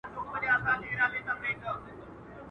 جارچي خوله وه سمه كړې و اعلان ته.